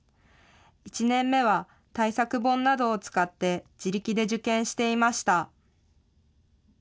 １年目は対策本などを使って自力で受検していました。